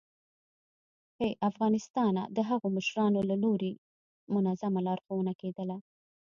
ه افغانستانه د هغو د مشرانو له لوري منظمه لارښوونه کېدله